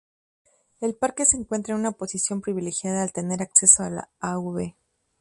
El Parque se encuentra en una posición privilegiada al tener acceso a la Av.